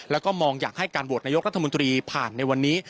แล้วก็มองอยากให้การโหวตนายกรัฐมนตรีผ่านในวันนี้